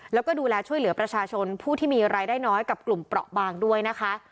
แล้วก็ดูแลช่วยเหลือประชาชนผู้ที่มีรายได้น้อยกับกลุ่มเปราะบางด้วยนะคะ